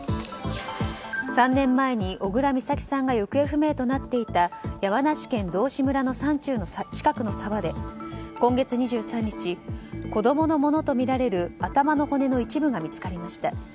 ３年前に小倉美咲さんが行方不明となっていた山梨県道志村の山中の近くの沢で今月２３日子供のものとみられる頭の骨の一部が見つかりました。